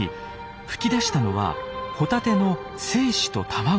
吹き出したのはホタテの精子と卵。